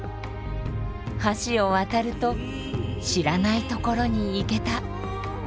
橋を渡ると知らない所に行けた。